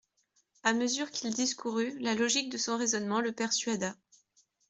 A mesure qu'il discourut, la logique de son raisonnement le persuada.